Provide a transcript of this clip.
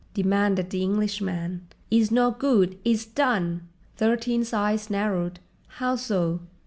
demanded the Englishman. "'E's no good, 'e's done." Thirteen's eyes narrowed. "How so?"